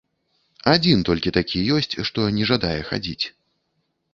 Адзін толькі такі ёсць, што не жадае хадзіць.